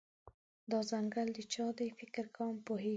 دا ځنګل د چا دی، فکر کوم پوهیږم